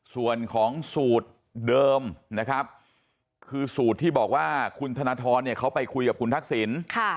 ส่วนของสูตรเดิมนะครับคือสูตรที่บอกว่าคุณธนทรเนี่ยเขาไปคุยกับคุณทักษิณ